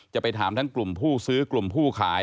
จะไปถามทั้งกลุ่มผู้ซื้อกลุ่มผู้ขาย